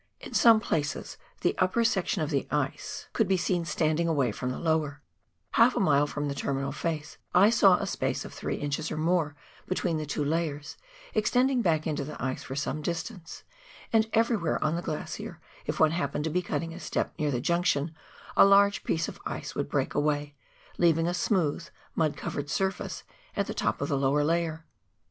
In some places the upper section of the ice could be seen stand THE FRANZ JOSEF GLACIER. 1G7 ing away from the lower ; half a mile from the terminal fa^^e I saw a space of three inches, or more, between the two la^^ers, extending back into the ice for some distance ; and every where on the glacier, if one happened to be cutting a step near the junction, a large piece of ice would break away, leaving a smooth mud covered surface at the top of the lower layer.